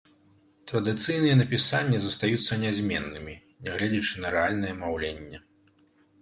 Традыцыйныя напісанні застаюцца нязменнымі, нягледзячы на рэальнае маўленне.